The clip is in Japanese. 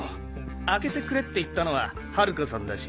開けてくれって言ったのは晴華さんだし。